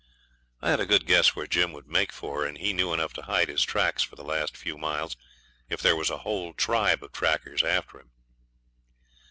I had a good guess where Jim would make for, and he knew enough to hide his tracks for the last few miles if there was a whole tribe of trackers after him.